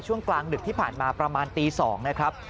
กลางดึกที่ผ่านมาประมาณตี๒นะครับ